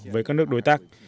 với các nước đối tác